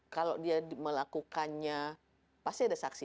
kalau dia melakukannya pasti ada saksi